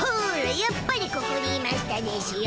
やっぱりここにいましたでしゅよ。